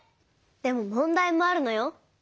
でも問題もあるのよ。